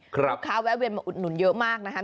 แวะเวียนมาอุดหนุนเยอะมากนะครับ